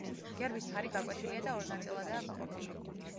გერბის ფარი გაკვეთილია და ორ ნაწილადაა გაყოფილი.